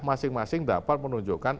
masing masing dapat menunjukkan